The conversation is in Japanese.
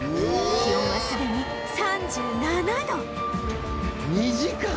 気温はすでに３７度２時間！？